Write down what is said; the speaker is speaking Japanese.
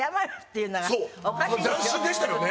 斬新でしたよね。